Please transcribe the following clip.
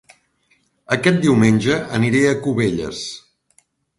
Aquest diumenge aniré a Cubelles